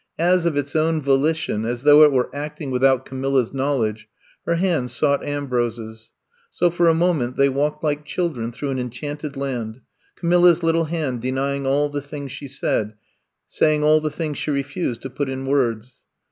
As of its own volition, as though it were acting without Camilla 's knowledge, her hand sought Ambrose's. So for a moment they walked like children through an enchanted land, Camilla 's little hand denying all the things she said, say ing all the things she refused to put in words.